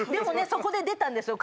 そこで出たんですよ